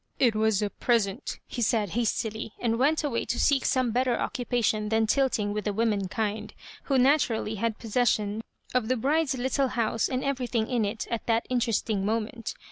'' It was a present," he said, hastily, and went away to seek some better occupation than tilting with the womankind, who naturally had posses ion of the bride's httle house and everything in it at that interestmg moment.